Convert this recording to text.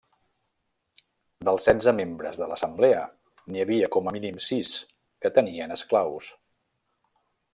Dels setze membres de l'Assemblea, n'hi havia com a mínim sis que tenien esclaus.